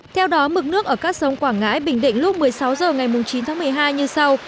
theo đó mực nước ở các sông quảng ngãi bình định lúc một mươi sáu h ngày chín tháng một mươi hai như sau